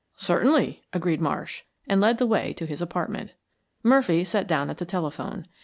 "Certainly," agreed Marsh, and led the way to his apartment. Murphy sat down at the telephone.